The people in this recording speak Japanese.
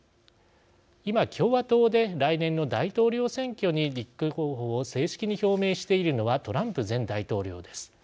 今、共和党で来年の大統領選挙に立候補を正式に表明しているのはトランプ前大統領です。